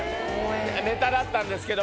ネタだったんですけど。